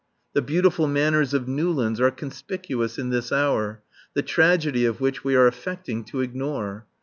The beautiful manners of Newlands are conspicuous in this hour, the tragedy of which we are affecting to ignore.